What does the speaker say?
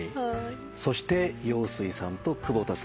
そして陽水さんと久保田さん。